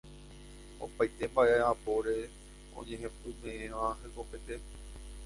Opaite mba'e apóre oñehepyme'ẽva'erã hekopete.